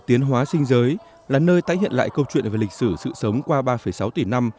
tiến hóa sinh giới là nơi tái hiện lại câu chuyện về lịch sử sự sống qua ba sáu tỷ năm